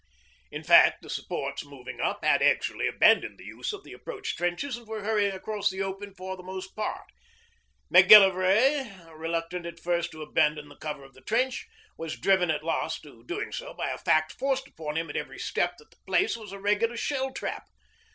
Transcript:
In fact the supports moving up had actually abandoned the use of the approach trenches and were hurrying across the open for the most part. Macgillivray, reluctant at first to abandon the cover of the trench, was driven at last to doing so by a fact forced upon him at every step that the place was a regular shell trap.